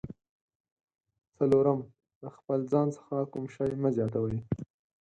څلورم: د خپل ځان څخه کوم شی مه زیاتوئ.